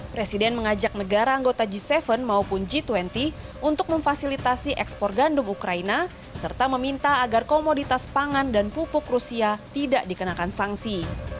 presiden mengajak negara anggota g tujuh maupun g dua puluh untuk memfasilitasi ekspor gandum ukraina serta meminta agar komoditas pangan dan pupuk rusia tidak dikenakan sanksi